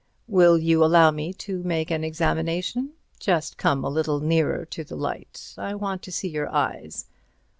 Will you allow me to make an examination? Just come a little nearer to the light. I want to see your eyes.